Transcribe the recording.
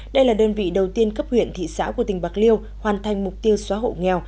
đây là đơn vị đầu tiên cấp huyện thị xã của tỉnh bạc liêu hoàn thành mục tiêu xóa hộ nghèo